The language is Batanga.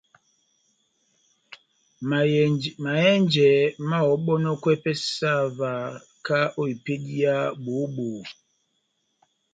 Mahɛ́njɛ máháhɔbɔnɔkwɛ pɛhɛ sahakahá ó epédi yá bohó-bohó.